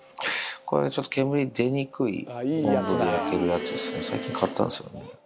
これはちょっと、煙出にくい温度で焼けるやつっすね、最近、買ったんですよ。